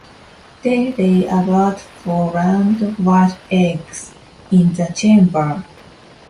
They lay about four round white eggs in the chamber.